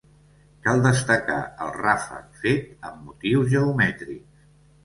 Cal destacar el ràfec fet amb motius geomètrics.